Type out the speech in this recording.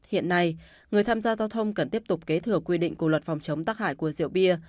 hiện nay người tham gia giao thông cần tiếp tục kế thừa quy định của luật phòng chống tác hại của rượu bia